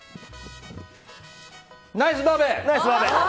ナイスバーベ！